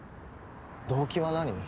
動機は何？